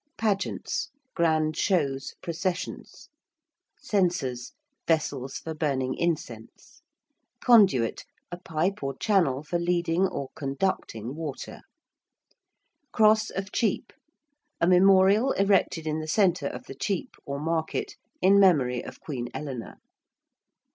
~Pageants~: grand shows, processions. ~censers~: vessels for burning incense. ~conduit~: a pipe or channel for leading or conducting water. ~Cross of Chepe~: a memorial erected in the centre of the chepe, or market, in memory of Queen Eleanor.